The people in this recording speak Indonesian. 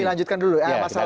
dilanjutkan dulu ya masalah